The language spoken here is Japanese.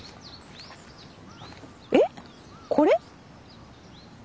えっ？これ？